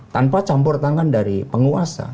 tanpa campur tangan dari penguasa